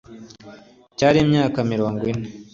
cyari imyaka mirongo ine